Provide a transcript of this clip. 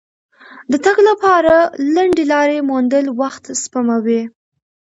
د تګ لپاره لنډې لارې موندل وخت سپموي.